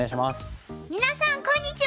皆さんこんにちは！